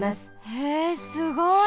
へえすごい！